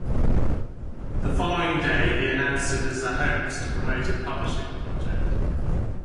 The following day he announced it as a hoax to promote a publishing project.